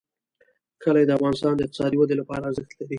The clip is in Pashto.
کلي د افغانستان د اقتصادي ودې لپاره ارزښت لري.